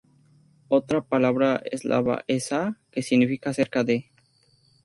Otra palabra eslava es "za", que significa "acerca de".